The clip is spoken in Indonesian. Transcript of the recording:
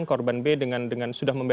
korban b dengan sudah membunuh gitu ya